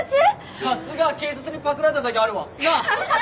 さすが警察にパクられただけあるわ。なあ？